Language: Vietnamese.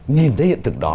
nhìn thấy hiện thực